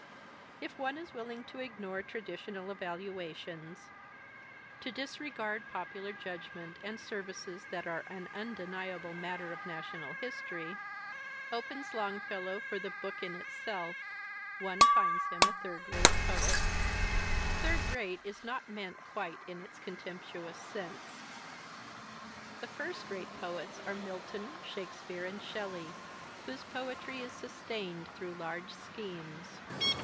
If one willing to ignore traditional evaluations, to dis Digitized by Google 108 THE SPIRIT OF AMERICAN LITERATURE regard popular judgment and services that are an undeniable matter of national history, opens Longfellow for the book in itself, one finds him a third rate poet. "Third rate" is not meant quite in its contemptuous sense. The first rate poets are Milton, Shakespeare, and Shelley whose poetry is sustained through large schemes.